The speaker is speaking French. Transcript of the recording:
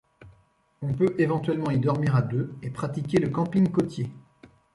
On peut éventuellement y dormir à deux et pratiquer le camping côtier.